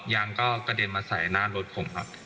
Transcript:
ยางก็กระเด็นมาใส่หน้ารถผมครับ